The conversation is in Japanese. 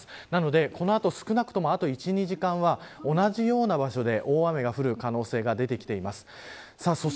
なので、この後少なくともあと１、２時間は同じような場所で大雨が降る可能性が出てきています。